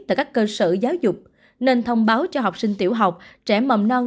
tại các cơ sở giáo dục nên thông báo cho học sinh tiểu học trẻ mầm non